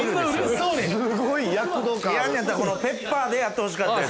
やんねやったらこのペッパーでやってほしかったですよ。